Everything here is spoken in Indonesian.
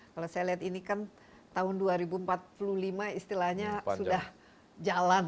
kalau saya lihat ini kan tahun dua ribu empat puluh lima istilahnya sudah jalan